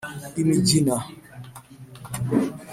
imigina